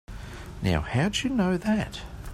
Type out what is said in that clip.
Now how'd you know that?